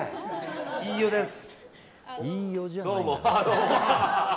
飯尾です。